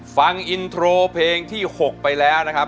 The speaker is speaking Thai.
ฟังอินโทรเพลงที่๖ไปแล้วนะครับ